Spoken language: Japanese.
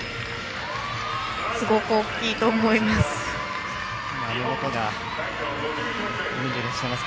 すごく大きいと思います。